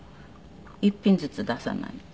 一品ずつ出さないと。